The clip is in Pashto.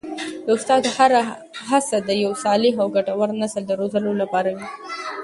د استاد هره هڅه د یو صالح او ګټور نسل د روزلو لپاره وي.